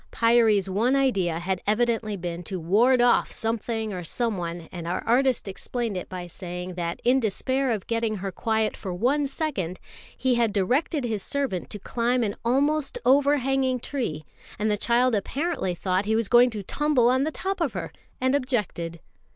Pyârie's one idea had evidently been to ward off something or someone; and our artist explained it by saying that in despair of getting her quiet for one second, he had directed his servant to climb an almost overhanging tree, and the child apparently thought he was going to tumble on the top of her, and objected.